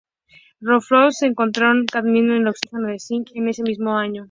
Roloff que encontraron cadmio en el óxido de zinc en ese mismo año.